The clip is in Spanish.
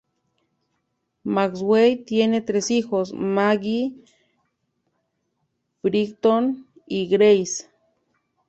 Maxwell tiene tres hijos: Maggie, Brighton y Gracie.